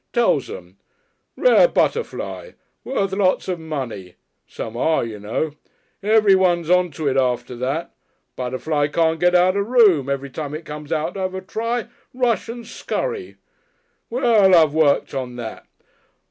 Tells 'em. Rare butterfly, worth lots of money. Some are, you know. Everyone's on to it after that. Butterfly can't get out of room, every time it comes out to have a try, rush and scurry. Well, I've worked on that.